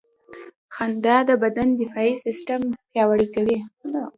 • خندا د بدن دفاعي سیستم پیاوړی کوي.